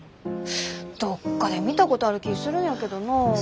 どっかで見たことある気ぃするんやけどなあ。